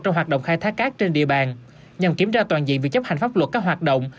trong hoạt động khai thác cát trên địa bàn nhằm kiểm tra toàn diện việc chấp hành pháp luật các hoạt động